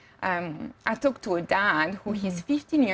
saya berbicara dengan ayahnya